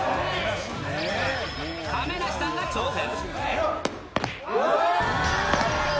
亀梨さんが挑戦。